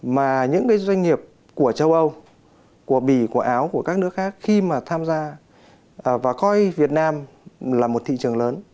mà những cái doanh nghiệp của châu âu của bỉ của áo của các nước khác khi mà tham gia và coi việt nam là một thị trường lớn